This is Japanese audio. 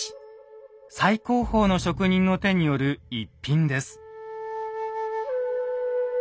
最高峰の職人の手による逸品です。